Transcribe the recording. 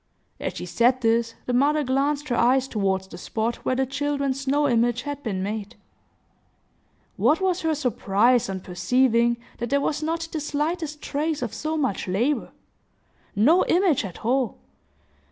As she said this, the mother glanced her eyes toward the spot where the children's snow image had been made. What was her surprise, on perceiving that there was not the slightest trace of so much labor!—no image at all!